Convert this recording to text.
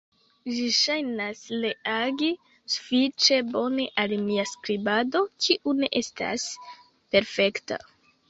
Ĝi ŝajnas reagi sufiĉe bone al mia skribado, kiu ne estas perfekta.